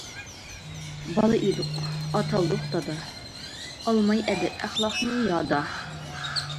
بالا ئىدۇق، ئاتالدۇق دادا، ئالماي ئەدەپ-ئەخلاقنى يادا.